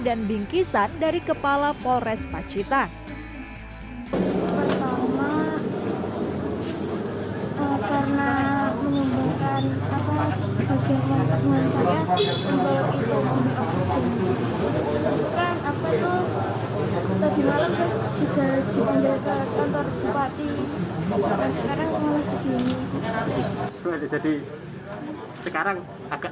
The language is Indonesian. dan bingkisan dari kepala polres pacitan pertama karena mengumpulkan apa maksudnya